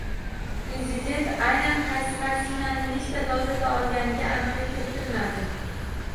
Prezident aynan qaysi vaksinani nechta dozada olganiga aniqlik kiritilmadi